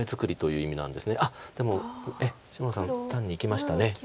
あっでも芝野さん単にいきました。